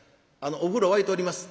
お風呂沸いております。